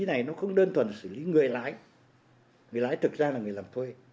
người lái người lái thực ra là người làm thuê